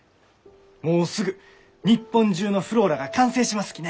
もうすぐ日本中のｆｌｏｒａが完成しますきね。